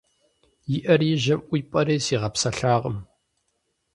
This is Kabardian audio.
И Ӏэр и жьэм ӀуипӀэри сигъэпсэлъакъым.